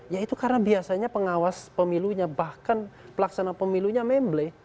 yaitu karena biasanya pengawas pemilunya bahkan pelaksana pemilunya memble